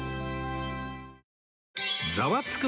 『ザワつく！』